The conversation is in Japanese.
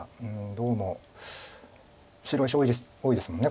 どうも白石多いですもんね